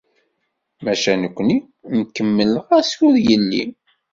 Maca nekkni nkemmel, ɣas ur yelli.